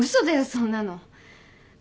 そんなの。